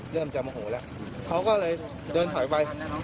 เริ่มจะโมโหแล้วเขาก็เลยเดินถอยไป